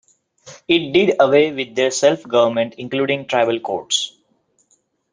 It did away with their self-government, including tribal courts.